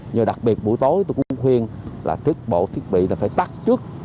nhưng đặc biệt buổi tối tôi cũng khuyên là thiết bị phải tắt trước